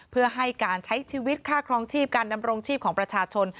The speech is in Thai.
เพื่อให้การใช้ชีวิตค่าครองชีพการดำรงชีพของประชาชน